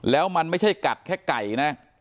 แล้วมันไม่ใช่กัดแค่ไก่นะ